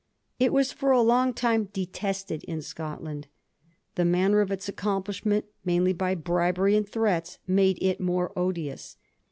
It was for a long time detested in Scotland. The manner of its accomplishment, mainly by bribery and threats, made it more odious.